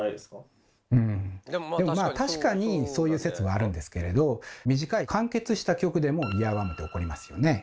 でもまあ確かにそういう説はあるんですけれど短い完結した曲でもイヤーワームって起こりますよね。